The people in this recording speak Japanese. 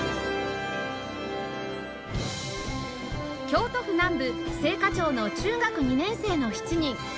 京都府南部精華町の中学２年生の７人